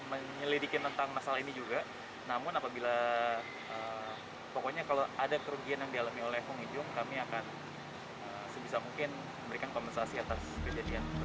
dan pokoknya kalau ada kerugian yang dialami oleh fung ijung kami akan sebisa mungkin memberikan komensasi atas kejadian tersebut